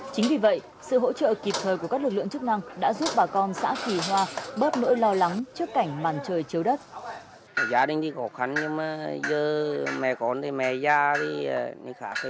chính vì vậy sự hỗ trợ kịp thời của các lực lượng chức năng đã giúp bà con xã kỳ hoa bớt nỗi lo lắng trước cảnh màn trời chiếu đất